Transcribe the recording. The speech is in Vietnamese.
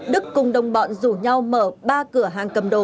đức cùng đồng bọn rủ nhau mở ba cửa hàng cầm đồ